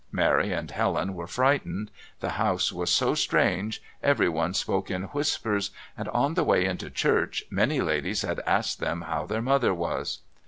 Mary and Helen were frightened; the house was so strange, everyone spoke in whispers, and, on the way into church, many ladies had asked them how their mother was.